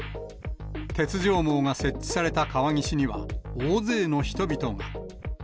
鉄条網が設置された川岸には、大勢の人々が。